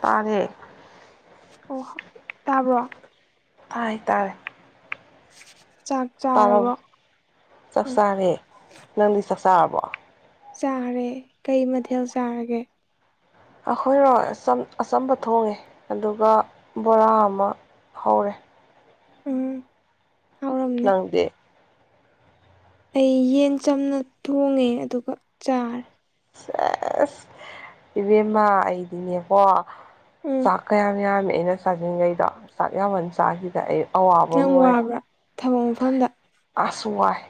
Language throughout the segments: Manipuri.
ꯇꯥꯔꯦ ꯑꯣ ꯇꯥꯕ꯭ꯔꯣ ꯇꯥꯏ ꯇꯥꯔꯦ ꯆꯥꯛ ꯇꯥꯔꯦ ꯆꯥꯔꯕ꯭ꯔꯣ ꯆꯥꯛ ꯎꯝ ꯆꯥꯔꯦ ꯅꯪꯗꯤ ꯆꯥꯛ ꯆꯥꯔꯕꯣ ꯆꯥꯔꯦ ꯀꯩ ꯃꯊꯦꯜ ꯆꯥꯔꯒꯦ ꯑꯩꯈꯣꯏꯔꯣ ꯑꯆꯝ ꯑꯆꯝꯕ ꯊꯣꯡꯉꯦ ꯑꯗꯨꯒ ꯕꯣꯔꯥ ꯑꯃꯥ ꯍꯧꯔꯦ ꯎꯝ ꯍꯥꯎꯔꯝꯅꯤ ꯅꯪꯗꯤ ꯑꯩ ꯌꯦꯟ ꯆꯝꯅ ꯊꯣꯡꯉꯦ ꯑꯗꯨꯒ ꯆꯥꯔꯦ ꯁꯦꯁ ꯏꯕꯦꯝꯃ ꯑꯩꯗꯤꯅꯤꯀꯣ ꯎꯝ ꯆꯥꯛ ꯀꯌꯥꯝ ꯌꯥꯝꯃꯤ ꯑꯩꯅ ꯆꯥꯖꯤꯟꯒ꯭ꯔꯤꯗꯣ ꯆꯥꯛ ꯌꯥꯝꯃꯟ ꯆꯥꯈꯤꯕꯗ ꯑꯩ ꯑꯋꯥꯕ ꯌꯥꯝ ꯑꯃ ꯑꯣꯏꯔꯦ ꯋꯥꯕ꯭ꯔꯥ ꯊꯕꯛ ꯃꯐꯝꯗ ꯑꯁ ꯋꯥꯏ꯫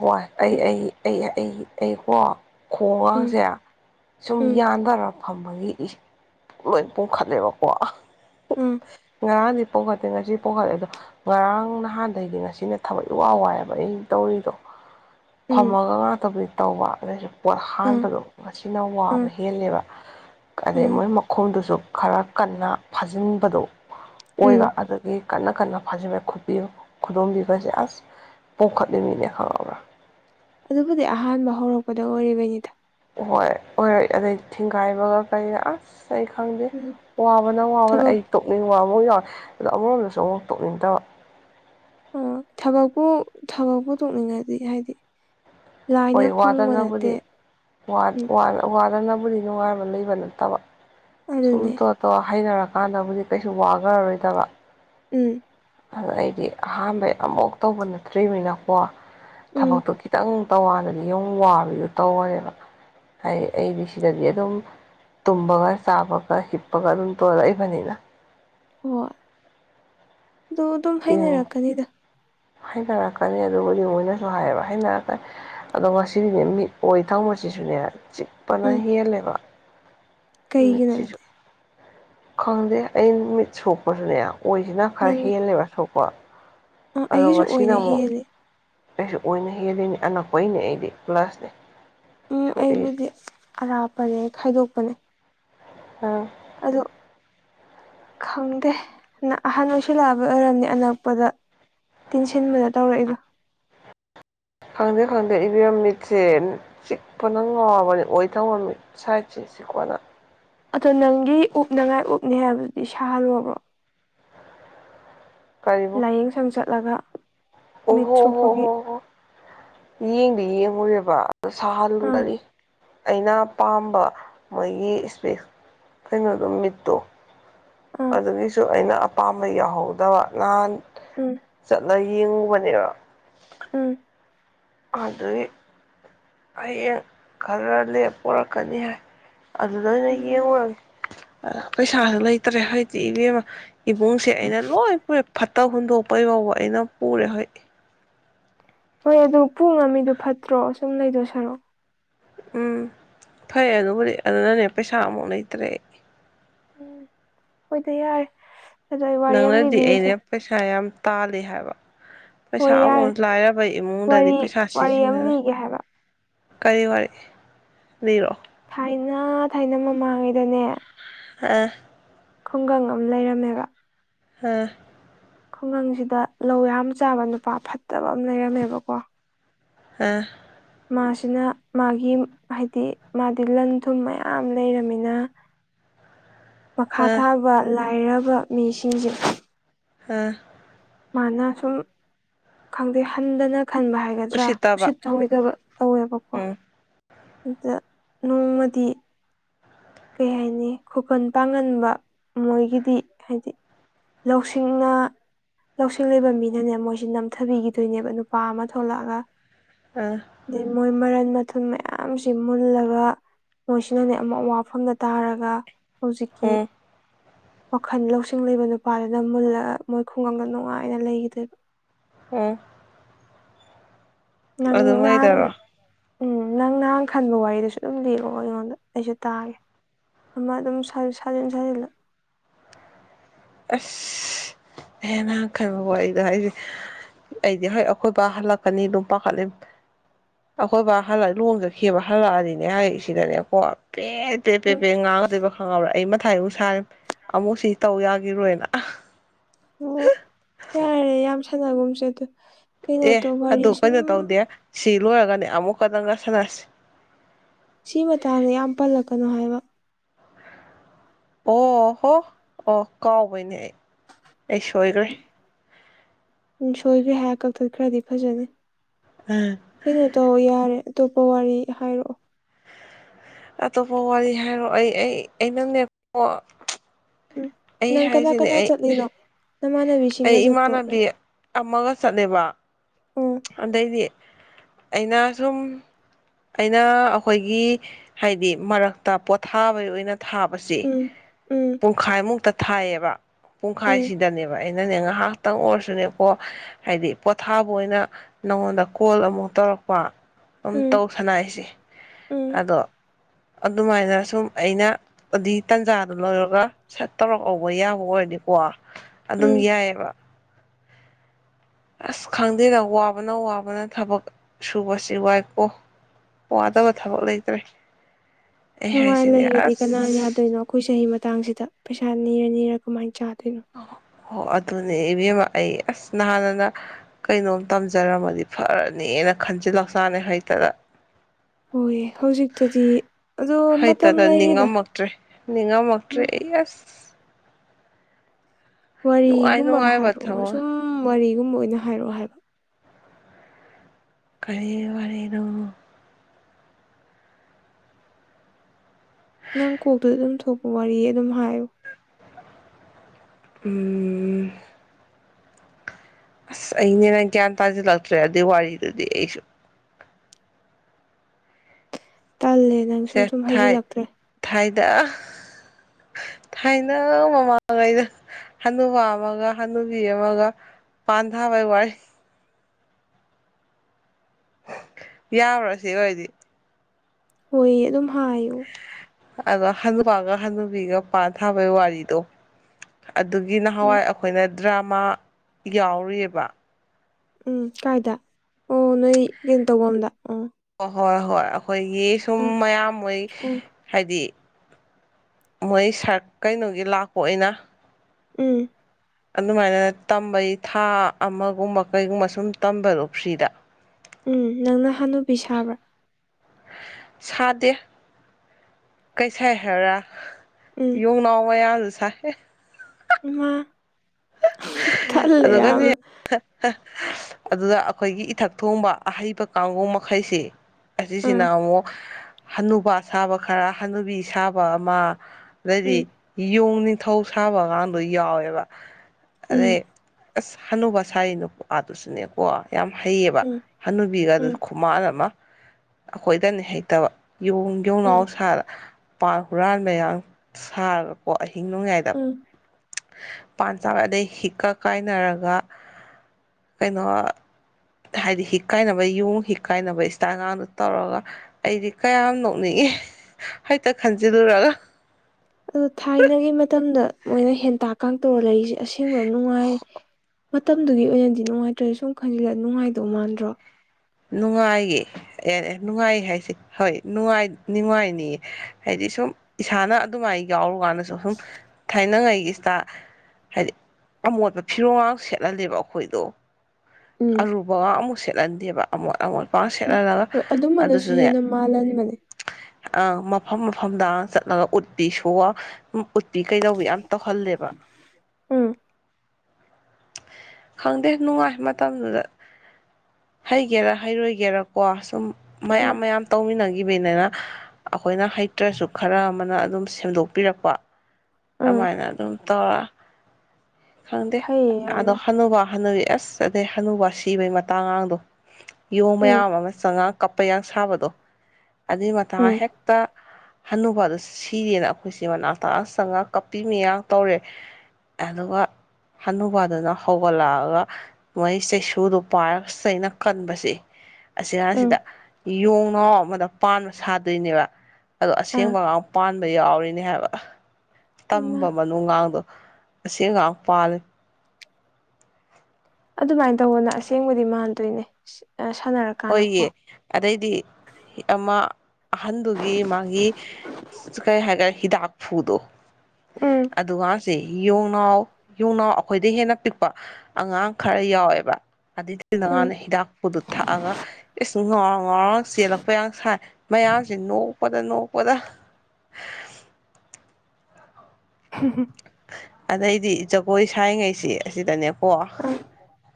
ꯍꯣꯏ ꯑꯩ ꯎꯝ ꯑꯩ ꯑꯩ ꯑꯩ ꯑꯩ ꯀꫭ꯫ ꯎꯝ ꯈꯣꯡꯒꯁꯦ ꯁꯨꯝ ꯎꯝ ꯌꯥꯟꯙꯔ ꯐꯝꯕꯒꯤ ꯏ ꯂꯣꯏ ꯄꯨꯝꯈꯠꯂꯦꯕꯀꯣ ꯎꯝ ꯉꯔꯥꯡꯗꯤ ꯄꯣꯈꯠꯇꯦ ꯉꯁꯤ ꯄꯣꯈꯠꯂꯦ ꯑꯗꯣ ꯉꯔꯥꯡ ꯅꯍꯥꯟꯗꯩꯗꯤ ꯉꯁꯤꯅ ꯊꯕꯛ ꯏꯋꯥ ꯋꯥꯏꯑꯦꯕ ꯑꯩꯅ ꯇꯧꯔꯤꯗꯣ꯫ ꯎꯝ ꯐꯝꯃꯒ ꯉꯥꯛꯇꯕꯨꯗꯤ ꯇꯧꯕ ꯑꯗꯨꯏꯁꯨ ꯄꯣꯠ ꯎꯝ ꯍꯥꯟꯕꯗꯣ ꯉꯁꯤꯅ ꯋꯥꯕ ꯎꯝ ꯍꯦꯜꯂꯦꯕ ꯑꯗꯩ ꯎꯝ ꯃꯣꯏ ꯃꯈꯣꯡꯗꯨꯁꯨ ꯈꯔ ꯀꯟꯅ ꯐꯥꯖꯤꯟꯕꯗꯣ ꯎꯝ ꯑꯣꯏꯕ ꯑꯗꯨ ꯏ ꯀꯟꯅ-ꯀꯟꯅ ꯐꯥꯖꯟꯕ ꯈꯨꯠꯄꯤ ꯈꯨꯗꯣꯝꯕꯤꯒꯁꯦ ꯑꯁ ꯄꯣꯡꯈꯠꯂꯤꯃꯤꯅꯦ ꯈꯪ ꯑꯗꯨꯕꯨꯗꯤ ꯑꯍꯥꯟꯕ ꯍꯧꯔꯛꯄꯗ ꯑꯣꯏꯔꯤꯕꯅꯤꯗ꯫ ꯍꯣꯏ ꯑꯣꯏꯔꯛ ꯑꯗꯩ ꯊꯤꯡꯒꯥꯏꯕꯒ ꯀꯔꯤꯒ ꯑꯁ꯫ ꯁ ꯑꯩ ꯈꯪꯗꯦ ꯎꯝ ꯋꯥꯕꯅ ꯋꯥꯕꯅ ꯊꯕꯛ ꯑꯩ ꯇꯣꯛꯅꯤꯡꯕ ꯑꯃꯨꯛ ꯌꯥꯎꯋꯦ ꯑꯗꯣ ꯑꯃꯔꯣꯝꯗꯁꯨ ꯑꯃꯨꯛ ꯇꯣꯛꯅꯤꯡꯗꯕ꯫ ꯎꯝ ꯊꯕꯛꯄꯨ ꯊꯕꯛꯄꯨꯨ ꯇꯣꯛꯅꯤꯡꯉꯗꯤ ꯍꯥꯏꯗꯤ ꯂꯥꯏꯅ ꯐꯪꯕ ꯅꯠꯇꯦ꯫ ꯋꯥꯠ ꯎꯝ ꯋꯥꯠ ꯋꯥꯗꯅꯕꯨꯗꯤ ꯅꯨꯡꯉꯥꯏꯕ ꯂꯩꯕ ꯅꯠꯇꯕ ꯑꯗꯨꯅꯦ ꯁꯨꯝꯇ ꯇꯣ ꯍꯩꯅꯔꯀꯥꯟꯗꯕꯨꯗꯤ ꯀꯩꯁꯨ ꯋꯥꯒꯔꯔꯣꯏꯗꯕ꯫ ꯎꯝ ꯑꯗ ꯑꯩꯗꯤ ꯑꯍꯥꯟꯕꯩ ꯑꯃꯨꯛ ꯇꯧꯕ ꯅꯠꯇ꯭ꯔꯤꯕꯅꯀꯣ ꯎꯝ ꯊꯕꯛꯇꯨ ꯈꯤꯇꯪ ꯇꯧꯉꯥꯟꯗꯗꯤ ꯌꯨꯡ ꯋꯥꯕꯗꯨ ꯇꯧꯔꯅꯦꯕ ꯍꯥꯏꯗꯤ ꯑꯩꯗꯤ ꯁꯤꯗꯗꯤ ꯑꯗꯨꯝ ꯇꯨꯝꯕꯒ ꯆꯥꯕꯒ ꯍꯤꯞꯄꯒ ꯑꯗꯨꯝ ꯇꫭꯔ ꯂꯩꯕꯅꯤꯅ꯫ ꯎꯝ ꯗꯨꯕꯨ ꯗꯨꯝ ꯍꯩꯅꯔꯛꯀꯅꯤꯗ꯫ ꯍꯩꯅꯔꯛꯀꯅꯤ ꯑꯗꯨꯕꯨꯗꯤ ꯃꯣꯏꯅꯁꯨ ꯍꯥꯏꯌꯦꯕ ꯍꯩꯅꯔꯛꯀꯅꯤ ꯑꯗꯣ ꯉꯁꯤꯗꯤꯅꯦ ꯃꯤꯠ ꯑꯣꯏ ꯊꯪꯕꯁꯤꯁꯨꯅꯦ ꯆꯤꯛꯄꯅ ꯎꯝ ꯍꯦꯜꯂꯦꯕ꯫ ꯏꯃꯤꯠꯁꯤꯁꯨ ꯀꯩꯒꯤꯅꯣꯗꯤ ꯈꯪꯗꯦ ꯑꯩ ꯃꯤꯠ ꯁꯣꯛꯄꯁꯨꯅꯦ ꯑꯣꯏꯁꯤꯅ ꯈꯔ ꯍꯦꯜꯂꯦꯕ ꯁꯣꯛꯄ꯫ ꯑ ꯑꯗꯣ ꯑꯩꯒꯤꯁꯨ ꯉꯁꯤꯅ ꯑꯣꯏꯅ ꯑꯃꯨꯛ ꯍꯦꯜꯂꯦ꯫ ꯑꯩꯁꯨ ꯑꯣꯏꯅ ꯍꯦꯜꯂꯤꯅꯦ ꯑꯅꯛꯄꯩꯅꯦ ꯑꯩꯗꯤ ꯄ꯭ꯂꯁꯅꯦ꯫ ꯎꯝ ꯁꯣꯛꯏꯁꯦ ꯑꯩꯕꯨꯗꯤ ꯑꯔꯥꯞꯄꯔꯦ ꯈꯥꯏꯗꯣꯛꯄꯅꯦ꯫ ꯑꯥ꯫ ꯑꯗꫭ ꯈꯪꯗꯦ ꯅ ꯑꯍꯥꯟꯕ ꯑꯣꯏꯁꯨ ꯂꯥꯛꯕ ꯑꯣꯏꯔꯝꯅꯤ ꯑꯅꯛꯄꯗ ꯇꯤꯟꯁꯤꯟꯕꯗ ꯇꯧꯔꯛꯏꯕ꯫ ꯈꯪꯗꯦ-ꯈꯪꯗꯦ ꯏꯕꯤꯌꯝ ꯃꯤꯠꯁꯦ ꯆꯤꯛꯄꯅ ꯉꯥꯎꯔꯕꯅꯤ ꯑꯣꯏꯗꯧꯔꯃꯤ ꯁꯥꯏꯠꯁꯦ ꯆꯤꯛꯄꯅ꯫ ꯑꯗꯣ ꯅꯪꯒꯤ ꯎꯞꯅꯉꯥꯏ ꯎꯞꯅꯤ ꯍꯥꯏꯕꯗꯨꯗꯤ ꯁꯥꯍꯜꯂꯨꯕ꯭ꯔꯣ꯫ ꯂꯥꯏꯌꯦꯡꯁꯪ ꯆꯠꯂꯒ꯫ ꯑꯣ ꯃꯤꯠ ꯍꯣ ꯍꯣ ꯁꯣꯛꯄꯒꯤ ꯍꯣ ꯍꯣ ꯌꯦꯡꯗꯤ ꯌꯦꯡꯉꯨꯨꯔꯦꯕ꯫ ꯗꫭ ꯑꯥ ꯁꯍꯜꯂꯨꯗꯔꯤ꯫ ꯑꯩꯅ ꯄꯥꯝꯕ ꯃꯣꯏꯒꯤ ꯏꯁ꯭ꯄꯤꯁ ꯀꯩꯅꯣꯗꯣ ꯃꯤꯠꯇꯣ ꯑꯥ ꯑꯗꯨꯒꯤꯁꯨ ꯑꯩꯅ ꯑꯄꯥꯝꯕ ꯌꯥꯎꯍꯧꯗꯕ ꯅꯍꯥꯟ ꯎꯝ ꯆꯠꯂ ꯌꯦꯡꯉꯨꯕꯅꯦꯕ꯫ ꯑꯥ ꯑꯗꯨꯒꯤ ꯍꯌꯦꯡ ꯈꯔ ꯂꯩ ꯄꯣꯔꯛꯀꯅꯤ ꯍꯥꯏ꯫ ꯑꯗꯨꯗ ꯑꯣꯏꯅ ꯎꯝ ꯌꯦꯡꯉꯨꯔꯒ ꯑꯥꯦ ꯄꯩꯁꯥꯁꯨ ꯂꯩꯇ꯭ꯔꯦ ꯍꯧꯖꯤꯛꯇꯤ ꯏꯕꯦꯝꯃ꯫ ꯏꯕꯨꯡꯁꯦ ꯑꯩꯅ ꯂꯣꯏ ꯄꯨꯔꯦ ꯐꯠꯇ ꯍꯨꯟꯗꯣꯛꯄꯩ ꯐꯥꯎꯕ ꯑꯩꯅ ꯄꯨꯔꯦ ꯍꯣꯏ꯫ ꯍꯣꯏ ꯑꯗꯨ ꯄꯨꯡ ꯉꯝꯃꯤꯗꯣ ꯐꯠꯇ꯭ꯔꯣ ꯁꯨꯝ ꯂꯩꯗꯣꯏ ꯁꯔꯨꯛ꯫ ꯎꯝ ꯐꯩ ꯑꯗꯨꯕꯨꯗꯤ ꯑꯗꯨꯗꯅꯦ ꯄꯩꯁꯥ ꯑꯝꯕꯨꯛ ꯂꯩꯇ꯭ꯔꯦ꯫ ꯎꯝ ꯍꯣꯏꯗ ꯌꯥꯔꯦ, ꯑꯗꯣ ꯑꯩ ꯋꯥꯔꯤ ꯑꯃ ꯅꯪꯅꯗꯤ ꯂꯤꯕꯤꯒꯦꯁꯦ꯫ ꯑꯩꯅ ꯄꯩꯁꯥ ꯌꯥꯝ ꯇꯥꯂꯤ ꯍꯥꯏꯕ꯫ ꯄꯩꯁꯥ ꯍꯣꯏ ꯌꯥꯔꯦ ꯑꯃꯨꯛ ꯂꯥꯏꯔꯕ ꯏꯃꯨꯡꯗꯗꯤ ꯋꯥꯔꯤ ꯄꯩꯁꯥ ꯋꯥꯔꯤ ꯑꯃ ꯁꯤꯖꯤꯟꯅꯔꯦ꯫ ꯂꯤꯒꯦ ꯍꯥꯏꯕ ꯀꯔꯤ ꯋꯥꯔꯤ? ꯂꯤꯔꯣ ꯊꯥꯏꯅ ꯊꯥꯏꯅ ꯃꯃꯥꯡꯉꯩꯗꯅꯦ ꯍ ꯈꯨꯡꯒꯪ ꯑꯃ ꯂꯩꯔꯝꯃꯦꯕ꯫ ꯍ ꯈꯨꯡꯒꯪꯁꯤꯗ ꯂꯧ ꯌꯥꯝ ꯆꯥꯕ ꯅꯨꯄꯥ ꯐꯠꯇꯕ ꯑꯃ ꯂꯩꯔꯝꯃꯦꯕꯀꯣ꯫ ꯍ ꯃꯥꯁꯤꯅ ꯃꯥꯒꯤ ꯍꯥꯏꯗꯤ ꯃꯥꯗꯤ ꯂꯟ ꯊꯨꯝ ꯃꯌꯥꯝ ꯂꯩꯔꯃꯤꯅ ꯃꯈꯥ ꯑ ꯊꯥꯕ ꯂꯥꯏꯔꯕ ꯃꯤꯁꯤꯡꯁꯦ ꯍ ꯃꯥꯅ ꯁꯨꯝ ꯈꯪꯗꯦ ꯍꯟꯗꯅ ꯈꯟꯕ ꯍꯥꯏ ꯒꯗ꯭ꯔꯥ ꯎꯁꯤꯠꯇꯕ ꯎꯁꯤꯠ ꯊꯧꯑꯣꯏꯗꯕ ꯇꯧꯋꯦꯕꯀꯣ ꯎꯝ ꯑꯗꯨꯗ ꯅꯣꯡꯃꯗꯤ ꯀꯩ ꯍꯥꯏꯅꯤ ꯈꯨꯀꯟ ꯄꯥꯡꯒꯟꯕ ꯃꯣꯏꯒꯤꯗꯤ ꯍꯥꯏꯗꯤ ꯂꯧꯁꯤꯡꯅꯥ ꯂꯧꯁꯤꯡ ꯂꯩꯕ ꯃꯤꯅꯅꯦ ꯃꯣꯏꯁꯦ ꯅꯝꯊꯕꯤꯒꯤꯗꯨꯏꯅꯦꯕ ꯅꯨꯄꯥ ꯑꯃ ꯊꯣꯛꯂꯛꯑꯒ꯫ ꯑ ꯗꯦꯟ ꯃꯣꯏ ꯃꯔꯟ ꯃꯊꯨꯝ ꯃꯌꯥꯝꯁꯤ ꯃꯨꯜꯂꯒ ꯃꯣꯏꯁꯤꯅꯅꯦ ꯑꯃꯛ ꯑꯋꯥ ꯐꯝꯗ ꯇꯥꯔꯒ ꯍꯧꯖꯤꯛꯀꯤ ꯎꯝ ꯋꯥꯈꯜ ꯂꯧꯁꯤꯡ ꯂꯩꯕ ꯅꯨꯄꯥꯗꯨꯅ ꯃꯨꯜꯂ ꯃꯣꯏ ꯈꯨꯡꯒꯪꯗꯣ ꯅꯨꯡꯉꯥꯏꯅ ꯂꯩꯒꯤꯗꯣꯏꯕ꯫ [unintelligible] ꯅꯪ ꯅꯍꯥꯟ ꯑꯗꯨꯃꯥꯏꯗꯔꯣ ꯎꯝ ꯅꯪ ꯅꯍꯥꯟ ꯈꯟꯕ ꯋꯥꯔꯤꯗꯨꯁꯨ ꯑꯗꯨꯝ ꯂꯤꯔꯛꯑꯣ ꯑꯩꯉꯣꯟꯗ, ꯑꯩꯁꯨ ꯇꯥꯒꯦ꯫ ꯑꯃ ꯑꯗꯨꯝ ꯁꯥ-ꯁꯥꯖꯤꯟ ꯁꯥꯖꯤꯜꯂꯨ꯫ ꯑꯁ ꯑꯩꯅ ꯅꯍꯥꯟ ꯈꯟꯕ ꯋꯥꯔꯤꯗꯣ ꯍꯥꯏꯁꯦ ꯑꯩꯗꯤ ꯍꯣꯏ ꯑꯩꯈꯣꯏꯕꯥ ꯍꯜꯂꯛꯀꯅꯤ ꯗꯨꯝ ꯄꯥꯈꯠꯂꯦꯕ ꯑꯈꯣꯏ ꯕꯥ ꯍꯜꯂꯛ ꯂꯨꯍꯧꯡ ꯆꯠꯈꯤꯕ ꯍꯜꯂꯛꯑꯗꯤꯅꯦ ꯍꯥꯏ ꯁꯤꯗꯅꯦꯀꯣ ꯄꯦꯠ ꯄꯦꯠ ꯄꯦꯠ ꯎꯝ ꯄꯦ ꯉꯥꯡꯒꯗꯣꯏꯕ ꯈꯪꯉꯕ꯭ꯔ ꯑꯩ ꯃꯊꯥ ꯑꯃꯨꯛ ꯁꯥꯔꯦ ꯑꯃꯨꯛ ꯁꯤ ꯇꯧ ꯌꯥꯒꯤꯔꯣꯏꯅ ꯑꯣ ꯌꯥꯔꯦ ꯌꯥꯝ ꯁꯥꯟꯅꯒꯨꯝꯁꯦ ꯑꯗꯨ ꯀꯩꯅꯣ ꯑꯦ ꯇꯧ ꯋꯥꯔꯤ ꯑꯗꯨ ꯁꯨꯝ ꯀꯩꯅꯣ ꯇꯧꯗꯦ ꯁꯤ ꯂꯣꯏꯔꯒꯅꯦ ꯑꯃꯨꯛꯀ ꯅꯪꯒ ꯁꯥꯟꯅꯁꯤ ꯁꯤ ꯃꯇꯥꯡꯗ ꯌꯥꯝ ꯄꯜꯂꯛꯀꯅꯣ ꯍꯥꯏꯕ꯫ ꯑꯣ ꯍꯣ ꯑꯣ ꯀꯥꯎꯕꯩꯅꯦ ꯑꯩ꯫ ꯑꯩ ꯁꯣꯏꯒ꯭ꯔꯦ꯫ ꯎꯝ ꯁꯣꯏꯒ꯭ꯔꯦ ꯍꯥꯏꯔ ꯀꯛꯊꯠꯈ꯭ꯔꯗꯤ ꯐꯖꯅꯤ꯫ ꯑ ꯀꯩꯅꯣ ꯇꯧ ꯌꯥꯔꯦ ꯑꯇꯣꯞꯄ ꯋꯥꯔꯤ ꯍꯥꯏꯔꯛꯑꯣ꯫ ꯑꯇꯣꯞꯄ ꯋꯥꯔꯤ ꯍꯥꯏꯔꯣ ꯑꯩ ꯑꯩ ꯑꯩ ꯅꯪꯅꯦꯀꯣ ꯎꯝ ꯑꯩ ꯅꯪ ꯀꯅꯥ ꯍꯥꯏꯁꯤꯅꯦ ꯀꯅꯥ ꯑꯩ ꯆꯠꯂꯤꯅꯣ ꯑꯩ ꯅꯃꯥꯟꯅꯕꯤꯁꯤꯡꯒ ꯆꯠꯄ꯭ꯔꯣ ꯏꯃꯥꯟꯅꯕꯤ ꯑꯃꯒ ꯆꯠꯂꯦꯕ꯫ ꯎꯝ ꯑꯗꯩꯗꯤ ꯑꯩꯅ ꯁꯨꯝ ꯑꯩꯅ ꯑꯈꯣꯏꯒꯤ ꯍꯥꯏꯗꯤ ꯃꯔꯛꯇ ꯄꯣꯊꯥꯕꯩ ꯑꯣꯏꯅ ꯊꯥꯕꯁꯦ ꯎꯝ ꯎꯝ ꯄꯨꯡꯈꯥꯏꯃꯨꯛꯇ ꯊꯥꯏꯌꯦꯕ ꯎꯝ ꯄꯨꯡꯈꯥꯏꯁꯤꯗꯅꯦꯕ ꯑꯩꯅꯅꯦ ꯉꯥꯏꯍꯥꯛꯇꯪ ꯑꯣꯏꯔꯁꯨꯅꯦꯀꯣ ꯍꯥꯏꯗꯤ ꯄꯣꯊꯥꯕ ꯑꯣꯏꯅ ꯅꯉꯣꯟꯗ ꯀꯣꯜ ꯑꯃꯨꯛ ꯇꯧꯔꯛꯄ ꯑꯗꯨꯝ ꯎꯝ ꯇꯧ ꯁꯅꯥꯏꯁꯦ ꯎꯝ ꯑꯗꯣ ꯑꯗꯨꯃꯥꯏꯅ ꯁꯨꯝ ꯑꯩꯅ ꯑꯗꯨꯏ ꯇꯟꯖꯥꯗꯨ ꯂꯧꯔꯒ ꯁꯠ ꯇꯧꯔꯛꯑꯧꯕ ꯌꯥꯕ ꯑꯣꯏꯔꯗꯤꯀꯣ ꯑꯗꯨꯝ ꯎꯝ ꯌꯥꯏꯌꯦꯕ ꯑꯁ ꯈꯪꯗꯦꯗ ꯋꯥꯕꯅ ꯋꯥꯕꯅ ꯊꯕꯛ ꯁꯨꯕꯁꯤ ꯋꯥꯏꯀꯣ ꯋꯥꯗꯕ ꯊꯕꯛ ꯂꯩꯇ꯭ꯔꯦ ꯑꯩ ꯅꯨꯡꯉꯥꯏ ꯍꯥꯏꯁꯤꯅꯦ ꯂꯩꯒꯦꯗꯤ ꯀꯅꯥ ꯑꯁ ꯌꯥꯗꯣꯏꯅꯣ ꯑꯩꯈꯣꯏ ꯆꯍꯤ ꯃꯇꯥꯡꯁꯤꯗ ꯄꯩꯁꯥ ꯅꯤꯔ ꯅꯤꯔ ꯀꯃꯥꯏꯅ ꯆꯥꯗꯣꯏꯅꯣ ꯍꯣ ꯑꯗꯨꯅꯦ ꯏꯕꯦꯝꯃ ꯑꯩ ꯑꯁ ꯅꯍꯥꯟꯅ ꯀꯩꯅꯣꯝ ꯇꯝꯖꯔꯝꯃꯗꯤ ꯐꯔꯅꯦꯅ ꯈꯟꯖꯤꯟ ꯂꯥꯛꯆꯥꯅꯦ ꯍꯩꯇꯗ ꯍꯣꯏ ꯍꯧꯖꯤꯛꯇꯗꯤ ꯑꯗꯣ ꯃꯇꯝ ꯍꯩꯇꯗ ꯂꯩꯔꯤꯗ ꯅꯤꯡꯉꯝꯃꯛꯇꯛꯇ꯭ꯔꯦ ꯅꯤꯡꯉꯝꯃꯇ꯭ꯔꯦ ꯑꯩ ꯑꯁ ꯅꯨꯡꯉꯥꯏ ꯋꯥꯔꯤꯒꯨꯝꯕ ꯅꯨꯡꯉꯥꯏꯕ ꯍꯥꯏꯔꯛꯑꯣ ꯊꯕꯛ ꯁꯨꯝ ꯋꯥꯔꯤꯒꯨꯝꯕ ꯑꯣꯏꯅ ꯍꯥꯏꯔꯛꯑꯣ ꯍꯥꯏꯕ ꯀꯔꯤ ꯋꯥꯔꯤꯅꯣ ꯅꯪ ꯀꯣꯛꯇꯨꯗ ꯑꯗꯨꯝ ꯊꯣꯛꯄ ꯋꯥꯔꯤ ꯑꯗꯨꯝ ꯍꯥꯏꯌꯣ ꯎꯝ ꯎꯝ ꯑꯁ ꯑꯩꯅꯦ ꯍꯦꯟꯅ ꯒ꯭ꯌꯥꯟ ꯇꯥꯁꯤꯜꯂꯛꯇ꯭ꯔꯦ ꯑꯗꯨꯏ ꯋꯥꯔꯤꯗꯨꯗꯤ ꯑꯩꯁꯨ ꯇꯜꯂꯦ ꯅꯪ ꯁꯨꯝ ꯁꯦ ꯁꯨꯝ ꯊꯥꯏ ꯍꯩꯖꯤꯜꯂꯛꯇ꯭ꯔꯦ ꯊꯥꯥꯏꯗ ꯊꯥꯏꯅ ꯃꯃꯥꯡꯉꯩꯗ ꯍꯅꯨꯕ ꯑꯃꯒ ꯍꯅꯨꯕꯤ ꯑꯃꯒ ꯄꯥꯟꯊꯥꯕꯩ ꯋꯥꯔꯤ ꯌꯥꯕ꯭ꯔꯁꯤ ꯑꯣꯏꯔꯗꯤ ꯍꯣꯏ ꯑꯗꯨꯝ ꯍꯥꯏꯌꯨ ꯑꯗꯣ ꯍꯅꯨꯕꯥꯒ ꯍꯟꯅꯨꯕꯤꯒ ꯄꯥꯟ ꯊꯥꯕꯩ ꯋꯥꯔꯤꯗꯣ ꯑꯗꯨꯒꯤ ꯎꯝ ꯅꯍꯥꯟꯋꯥꯏ ꯑꯩꯈꯣꯏꯅ ꯗ꯭ꯔꯃꯥ ꯌꯥꯎꯔꯨꯏꯑꯥꯕ ꯎꯝ ꯀꯥꯏꯗ ꯑꯣ ꯅꯣꯏ ꯀꯩꯅꯣ ꯇꯧꯕꯝꯗ ꯑꯣ ꯑꯣ ꯍꯣꯏ ꯍꯣꯏ ꯑꯩꯈꯣꯏꯒꯤ ꯁꯨꯝ ꯎꯝ ꯃꯌꯥꯝ ꯃꯣꯏ ꯎꯝ ꯍꯥꯏꯗꯤ ꯃꯣꯏꯔ ꯁꯥꯔ ꯀꯩꯅꯣꯒꯤ ꯂꯥꯛꯄ ꯑꯣꯏꯅ ꯎꯝ ꯑꯗꯨꯃꯥꯏꯅ ꯇꯝꯕꯩ ꯊꯥ ꯑꯃꯒꯨꯝꯕ ꯀꯩꯒꯨꯝꯕ ꯁꯨꯝ ꯇꯝꯕꯗꯣ ꯐ꯭ꯔꯤꯗ ꯎꯝ ꯅꯪ ꯅ ꯍꯥꯟꯅꯨꯕꯤ ꯁꯥꯕ꯭ꯔꯥ ꯁꯥꯗꯦ ꯀꯩꯁꯥꯏ ꯍꯥꯏꯔꯣꯔ ꯎꯝ ꯌꯣꯡꯅꯥꯎ ꯃꯌꯥꯝꯗꯣ ꯁꯥꯏ ꯏꯃꯥ ꯇꯜꯂꯦ ꯑꯗꯨꯒꯅꯦ ꯌꯥꯝꯅ ꯑꯗꯨꯗ ꯑꯩꯈꯣꯏꯒꯤ ꯏꯊꯛ ꯊꯣꯡꯕ ꯑꯍꯩꯕ ꯀꯥꯡꯒꯨ ꯃꯈꯩꯁꯦ ꯑꯁꯤꯁꯤꯅ ꯑꯥ ꯑꯃꯨꯛ ꯍꯅꯨꯕ ꯁꯥꯕ ꯈꯔ ꯍꯅꯨꯕꯤ ꯁꯥꯕ ꯑꯃ ꯑꯗꯩꯗꯤ ꯎꯝ ꯌꯣꯡ ꯅꯤꯡꯊꯧ ꯁꯥꯕ ꯀꯥꯟꯗꯣ ꯌꯥꯎꯋꯦꯕ ꯎꯝ ꯑꯗꯩ ꯑꯁ ꯍꯅꯨꯕ ꯁꯥꯔꯤ ꯅꯨꯄꯥꯄꯥꯗꯨꯁꯨꯅꯦꯀꯣ ꯌꯥꯝ ꯍꯩꯌꯦꯕ ꯎꯝ ꯍꯅꯨꯕꯤꯒ ꯗꯣ ꯎꯝ ꯈꯨꯃꯥꯟ ꯑꯃ ꯑꯩꯈꯣꯏꯗꯅꯦ ꯍꯩꯇꯕ ꯌꯣꯡꯅꯥꯎ ꯎꯝ ꯁꯥꯔ ꯄꯥꯟ ꯍꯨꯔꯥꯟꯕ ꯃꯌꯥꯝ ꯁꯥꯔꯒꯀꯣ ꯑꯍꯤꯡ ꯅꯣꯡꯌꯥꯏꯗ [unintelligible] ꯄꯥꯟ ꯆꯥꯕ ꯑꯗꯩ ꯍꯤꯛꯀ ꯀꯥꯏꯅꯔꯒ ꯀꯩꯅꯣ ꯍꯥꯏꯗꯤ ꯍꯤꯛ ꯀꯥꯏꯅꯕꯩ ꯌꯣꯡ ꯍꯤꯛ ꯀꯥꯏꯅꯕꯩ ꯏꯁꯇꯥꯏꯜ ꯒꯥꯗꯨ ꯇꯧꯔꯒ ꯑꯩꯗꯤ ꯀꯌꯥꯝ ꯅꯣꯛꯅꯤꯡꯏꯤ ꯍꯩꯇ ꯈꯟꯖꯤꯜꯂꯨꯔꯒ ꯑꯗꯨ ꯊꯥꯏꯅꯒꯤ ꯃꯇꯝꯗ ꯃꯣꯏꯅ ꯍꯦꯟꯇꯥꯛ ꯀꯥꯡ ꯇꯧꯔ ꯂꯩꯔꯤꯁꯦ ꯑꯁꯦꯡꯕ ꯅꯨꯡꯉꯥꯏ ꯃꯇꯝꯗꯨꯒꯤ ꯑꯣꯏꯅꯗꯤ ꯅꯨꯡꯉꯥꯏꯇ꯭ꯔꯁꯨ ꯁꯨꯝ ꯈꯟꯖꯤꯜꯂ ꯅꯨꯡꯉꯥꯏꯗꯧ ꯃꯥꯟꯗ꯭ꯔꯣ ꯅꯨꯡꯉꯥꯏꯌꯦ ꯑꯦ ꯑꯦ ꯅꯨꯡꯉꯥꯏ ꯍꯥꯏꯁꯦ ꯍꯣꯏ ꯅꯨꯡꯉꯥꯏ ꯅꯨꯡꯉꯥꯏꯅꯤ ꯍꯥꯏꯗꯤ ꯁꯨꯝ ꯏꯁꯥꯅ ꯑꯗꯨꯃꯥꯏ ꯌꯥꯎꯔꯨꯀꯥꯟꯗꯁꯨ ꯁꯨꯝ ꯊꯥꯏꯅꯉꯩ ꯁ꯭ꯇꯥꯏꯜ ꯍꯥꯏꯗꯤ ꯑꯃꯣꯠꯄ ꯐꯤꯔꯣꯜꯉꯥꯛ ꯁꯦꯠꯍꯜꯂꯦꯕ ꯑꯩꯈꯣꯏꯗꯣ ꯎꯝ ꯑꯔꯨꯕꯒ ꯑꯝꯕꯧ ꯁꯦꯠꯍꯟꯗꯦꯕ ꯑꯃꯣꯠ ꯑꯃꯣꯠꯄ ꯎꯝ ꯁꯦꯠꯍꯜꯂꯒ ꯍꯣꯏ ꯑꯗꯨꯝꯕꯅꯁꯨ ꯍꯦꯟꯅ ꯃꯥꯜꯍꯟꯕꯅꯦ ꯑꯪ ꯃꯐꯝ ꯃꯐꯝꯗ ꯆꯠꯂꯒ ꯎꯠꯄꯤ ꯁꯣ ꯎꯠꯄꯤ ꯀꯩꯗꯧꯕꯤ ꯌꯥꯝ ꯇꯧꯍꯜꯂꯦꯕ ꯎꯝ ꯈꯪꯗꯦ ꯅꯨꯡꯉꯥꯏ ꯃꯇꯝꯗꯨꯗ ꯍꯩꯒꯦꯔ ꯍꯩꯔꯣꯏꯒꯦꯔꯀꯣ ꯁꯨꯝ ꯎꯝ ꯃꯌꯥꯝ ꯃꯌꯥꯝ ꯇꯧꯃꯤꯟꯅꯒꯤꯕꯩꯅꯦꯅ ꯑꯩꯈꯣꯏꯅ ꯍꯩꯇ꯭ꯔꯁꯨ ꯈꯔ ꯑꯃꯅ ꯑꯗꯨꯝ ꯁꯦꯝꯗꯣꯛꯄꯤꯔꯛꯄ ꯎꯝ ꯑꯃꯅ ꯑꯗꯨꯝ ꯇꯧꯔ ꯈꯪꯗꯦ ꯏꯌ ꯑꯗꯣ ꯍꯅꯨ ꯍꯅꯨꯕꯤ ꯑꯁ ꯑꯗꯩ ꯍꯅꯨꯕ ꯁꯤꯕꯩ ꯃꯇꯥꯉꯥꯡꯗꯣ ꯌꯣꯡ ꯎꯝ ꯃꯌꯥꯝ ꯑꯃ ꯆꯪꯉꯛꯑ ꯀꯞꯄ ꯌꯥꯝ ꯁꯥꯕꯗꯣ ꯑꯗꯨꯏ ꯃꯇꯥꯡ ꯎꯝ ꯍꯦꯛ ꯇ ꯍꯟꯅꯨꯕꯗꯨ ꯁꯤꯔꯦꯅ ꯑꯩꯈꯣꯏꯁꯦ ꯃꯅꯥꯛꯇ ꯆꯪꯉꯛꯑ ꯀꯞꯄꯤ ꯃꯌꯥꯝ ꯇꯧꯔꯦ ꯑꯗꯨꯒ ꯍꯅꯨꯕꯗꯨꯅ ꯍꯧꯒꯠꯂꯛꯑꯒ ꯃꯥꯏ ꯆꯩꯁꯨꯗꯣ ꯄꯥꯏꯔꯒ ꯆꯩꯅ ꯀꯟꯕꯁꯤ ꯑꯁꯤ ꯎꯝ ꯀꯥꯟꯁꯤꯗ ꯌꯣꯡꯅꯥꯎ ꯑꯃꯗ ꯄꯥꯟꯕ ꯁꯥꯗꯨꯏꯅꯦꯕ ꯑꯗꯣ ꯑꯥ ꯑꯁꯦꯡꯕꯒ ꯄꯥꯟꯕ ꯌꯥꯎꯔꯤꯅꯦ ꯍꯥꯏꯕ ꯏꯃꯥ ꯇꯝꯕ ꯃꯅꯨꯡꯒꯥꯡꯗꯣ ꯑꯁꯤꯉꯥꯛ ꯄꯥꯜꯂꯤ ꯑꯗꯨꯃꯥꯏ ꯇꯧꯕꯅ ꯑꯁꯦꯡꯕꯗꯤ ꯃꯥꯟꯅꯗꯣꯏꯅꯦꯑ ꯁꯥꯟꯅꯔꯛ ꯍꯣꯏꯌꯦ ꯑꯗꯩꯗꯤ ꯑꯃ ꯑꯍꯟꯗꯨꯒꯤ ꯃꯥꯒꯤ ꯀꯔꯤ ꯍꯥꯒꯦꯔ ꯍꯤꯗꯥꯛ ꯐꯨꯗꯣ ꯎꯝ ꯑꯗꯨꯒꯥꯟꯁꯦ ꯌꯣꯡꯅꯥꯎ ꯌꯣꯡꯅꯥꯎ ꯑꯩꯈꯣꯏꯗꯩ ꯍꯦꯟꯅ ꯄꯤꯛꯄ ꯑꯉꯥꯡ ꯈꯔ ꯌꯥꯎꯋꯦꯕ ꯑꯗꯨꯏꯗꯨꯅ ꯎꯝ ꯃꯥꯅ ꯍꯤꯗꯥꯛꯄꯨꯗꯨ ꯊ ꯑꯒ ꯏꯁ ꯉꯣꯔꯣꯡ ꯉꯣꯔꯣꯡ ꯆꯦꯜꯂꯛꯄ ꯌꯥꯝ ꯁꯥꯏ ꯃꯌꯥꯝꯁꯦ ꯅꯣꯛꯄꯗ ꯅꯣꯛꯄꯗ ꯍꯨꯝ ꯍꯨꯝ ꯑꯗꯩꯗꯤ ꯖꯒꯣꯏ ꯁꯥꯏꯉꯩꯁꯤ ꯑꯁꯤꯗꯅꯦꯕ ꯑꯣ ꯑꯥ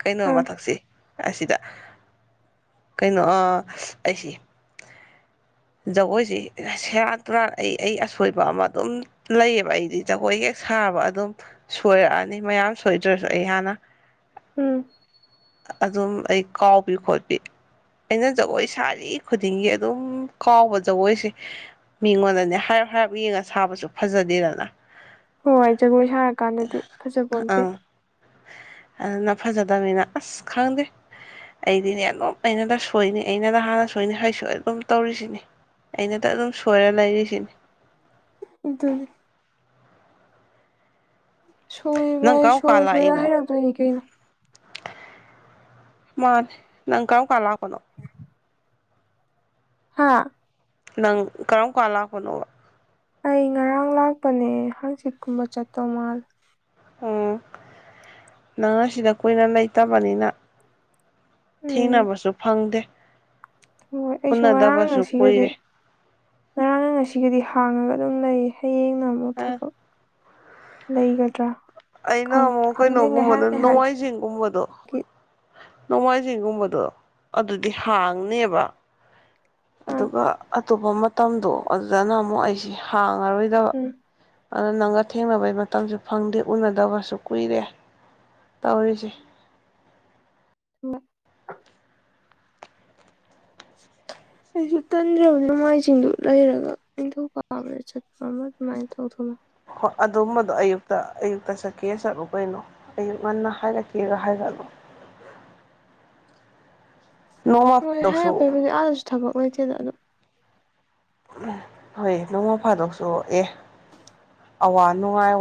ꯀꯩꯅꯣ ꯑꯥ ꯃꯊꯛꯁꯦ ꯑꯁꯤꯗ ꯀꯩꯅꯣ ꯑ ꯑꯩꯁꯤ ꯖꯒꯣꯏꯁꯤ ꯁꯦꯔꯥꯟ ꯇꯨꯔꯥꯟ ꯑꯩ ꯑꯩ ꯑꯁꯣꯏꯕ ꯑꯃ ꯑꯗꯨꯝ ꯂꯩꯑꯕ ꯑꯩꯗꯤ ꯖꯒꯣꯏ ꯍꯦꯛ ꯁꯥꯕ ꯑꯗꯨꯝ ꯁꯣꯏꯔꯛꯑꯅꯤ ꯃꯌꯥꯝ ꯁꯣꯏꯗ꯭ꯔꯁꯨ ꯑꯩ ꯍꯥꯟꯅ ꯎꯝ ꯑꯗꯨꯝ ꯑꯩ ꯀꯥꯎꯕꯤ ꯈꯣꯠꯄꯤ ꯑꯩꯅ ꯖꯒꯣꯏ ꯁꯥꯔꯤ ꯈꯨꯗꯤꯡꯒꯤ ꯑꯗꯗꯨꯝ ꯀꯥꯎꯕ ꯖꯒꯣꯏꯁꯦ ꯃꯤꯉꯣꯟꯗꯅꯦ ꯍꯥꯏꯔꯞ ꯍꯥꯏꯔꯞ ꯌꯦꯡꯉ ꯁꯥꯕꯁꯨ ꯐꯖꯗꯦꯗꯅ ꯍꯣꯏ ꯖꯒꯣꯏ ꯁꯥꯔꯀꯥꯟꯗꯗꯤ ꯐꯖꯕꯣꯟꯇꯦ ꯑꯪ ꯑꯗꯨꯅ ꯐꯖꯗꯕꯅꯤꯅ ꯑꯁ ꯈꯪꯗꯦ ꯑꯩꯗꯤꯅꯦ ꯑꯗꯨꯝ ꯑꯩꯅꯗ ꯁꯣꯏꯅꯤ ꯑꯩꯅꯗ ꯍꯥꯟꯅ ꯁꯣꯏꯅꯤ ꯍꯥꯏꯁꯨ ꯍꯥꯏꯒꯨꯝ ꯇꯧꯔꯤꯁꯦ ꯑꯩꯅꯗ ꯑꯗꯨꯝ ꯁꯣꯏꯔ ꯂꯩꯔꯤꯁꯤꯅꯦ ꯎꯝ ꯁꯣꯏꯕ ꯅꯪ ꯀꯔꯝ ꯀꯥꯟ ꯁꯣꯏꯔ ꯁꯣꯏꯔ ꯂꯥꯛꯏꯅꯣ ꯍꯩꯔꯛꯇꯣꯏꯅꯤ ꯀꯩꯅꯣ ꯃꯥꯅꯦ ꯅꯪ ꯀꯔꯝ ꯀꯥꯟ ꯂꯥꯛꯄꯅꯣ ꯍꯥꯥ ꯅꯪ ꯀꯔꯝ ꯀꯥꯟ ꯂꯥꯛꯄꯅꯣꯕ ꯑꯩ ꯉꯔꯥꯡ ꯂꯥꯛꯄꯅꯦ ꯍꯥꯡꯆꯤꯠꯀꯨꯝꯕ ꯆꯠꯇꯧ ꯃꯥꯜꯂꯦ ꯎꯝ ꯅꯪꯅ ꯁꯤꯗ ꯀꯨꯏꯅ ꯂꯩꯇꯕꯅꯤꯅ ꯎꯝ ꯊꯦꯡꯅꯕꯁꯨ ꯐꯪꯗꯦ ꯍꯣꯏ ꯑꯩꯁꯨ ꯉꯔꯥꯡ ꯎꯅꯗꯕꯁꯨ ꯉꯁꯤꯒꯗꯤ ꯀꯨꯏꯔꯦ ꯉꯔꯥꯡꯅ ꯉꯁꯤꯒꯗꯤ ꯍꯥꯡꯉꯒ ꯑꯗꯨꯝ ꯂꯩ ꯍꯌꯦꯡꯅ ꯑꯃꯨꯛ ꯑ ꯊꯕꯛ ꯂꯩꯒꯗ꯭ꯔꯥ ꯑꯩꯅ ꯈꯪ ꯑꯃꯨꯛ ꯈꯪꯗꯦ ꯉꯥꯏꯍꯥꯛ ꯀꯩꯅꯣꯒꯨꯝꯕꯗ ꯉꯥꯏꯍꯥꯛꯀꯤ ꯅꯣꯡꯃꯥꯏꯖꯤꯡꯒꯨꯝꯕꯗꯣ ꯅꯣꯡꯃꯥꯏꯖꯤꯡꯒꯨꯝꯕꯗꯣ ꯑꯗꯨꯗꯤ ꯍꯥꯡꯅꯦꯕ ꯑꯥ ꯑꯗꯨꯒ ꯑꯇꯣꯞꯄ ꯃꯇꯝꯗꯣ ꯑꯗꯨꯗꯅ ꯑꯃꯨꯛ ꯑꯩꯁꯤ ꯍꯥꯡꯉꯔꯣꯏꯗꯕ ꯎꯝ ꯑꯗꯨ ꯅꯪꯒ ꯊꯦꯡꯅꯕꯩ ꯃꯇꯝꯁꯨ ꯐꯪꯗꯦ ꯎꯅꯗꯕꯁꯨ ꯀꯨꯏꯔꯦ ꯇꯧꯔꯤꯁꯦ ꯎꯝ [inaudible] ꯑꯩꯁꯨ ꯇꯟꯗ꯭ꯔꯕ ꯅꯣꯡꯃꯥꯏꯁꯤꯡꯗꯨ ꯂꯩꯔꯒ ꯅꯤꯡꯊꯧꯀꯥꯕꯗ ꯆꯠꯄ ꯑꯃ ꯑꯗꯨꯃꯥꯏꯅ ꯇꯧꯊꯣꯛꯃ ꯍꯣꯏ ꯑꯗꯨꯝꯕꯗꯣ ꯑꯌꯨꯛꯇ ꯑꯌꯨꯛꯇ ꯆꯠꯀꯦ ꯆꯠꯂꯨ ꯀꯩꯅꯣ ꯑꯌꯨꯛ ꯉꯟꯅ ꯍꯥꯏꯒꯠꯀꯦꯒ ꯍꯥꯏꯒꯠꯂꯨ ꯅꯣꯡꯃ ꯍꯣꯏ ꯐꯥꯗꯣꯛꯁꯨ ꯍꯥꯏꯒꯠꯄꯩꯕꯨꯗꯤ ꯑꯗꯥꯁꯨ ꯊꯕꯛ ꯂꯩꯇꯦꯗ ꯑꯗꯨ ꯎꯝ ꯍꯣꯏ ꯅꯣꯡꯃ ꯐꯥꯗꯣꯛ ꯁꯨ ꯑꯦ ꯑꯋꯥ ꯅꯨꯡꯉꯥꯏ